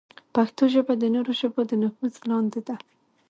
پښتو ژبه د نورو ژبو د نفوذ لاندې ده.